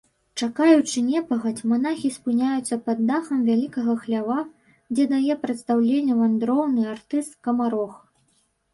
Чакаючы непагадзь, манахі спыняюцца пад дахам вялікага хлява, дзе дае прадстаўленне вандроўны артыст-скамарох.